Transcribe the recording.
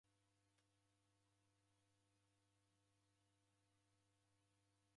Vindo vizamie ndeviboie